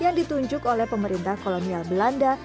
yang ditunjuk oleh pemerintah kolonial belanda